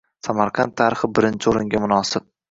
Samarqand tarixi birinchi oʻringa munosib